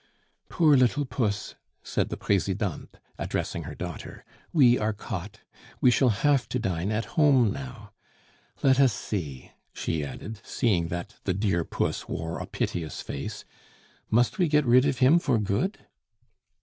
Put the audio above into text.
"Poor little puss!" said the Presidente, addressing her daughter, "we are caught. We shall have to dine at home now. Let us see," she added, seeing that the "dear puss" wore a piteous face; "must we get rid of him for good?"